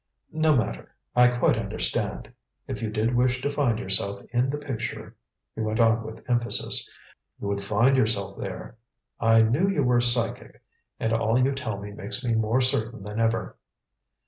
"No matter. I quite understand. If you did wish to find yourself in the picture," he went on with emphasis, "you would find yourself there. I knew you were psychic, and all you tell me makes me more certain than ever."